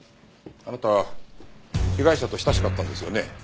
あなた被害者と親しかったんですよね？